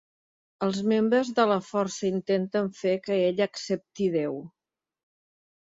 Els membres de la força intenten fer que ella accepti déu.